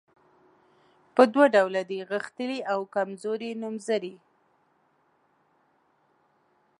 په دوه ډوله دي غښتلي او کمزوري نومځري.